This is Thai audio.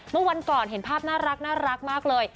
เมื่อวันก่อนเห็นภาพน่ารักมากเลย